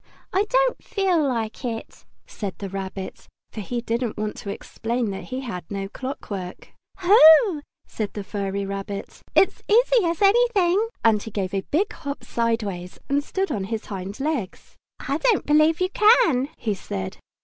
"I don't feel like it," said the Rabbit, for he didn't want to explain that he had no clockwork. "Ho!" said the furry rabbit. "It's as easy as anything," And he gave a big hop sideways and stood on his hind legs. "I don't believe you can!" he said.